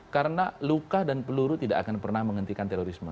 karena luka dan peluru tidak akan pernah menghentikan terorisme